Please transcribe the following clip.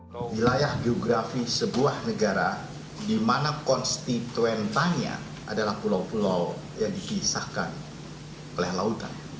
nilayah geografi sebuah negara di mana konstituentanya adalah pulau pulau yang dipisahkan oleh lautan